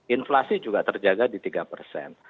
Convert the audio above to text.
inflasi juga terjaga di tiga persen